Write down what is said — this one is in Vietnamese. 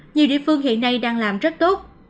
nhiều địa phương hiện nay đang làm rất tốt